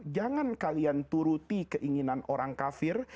jangan kalian turuti keinginan orang kafir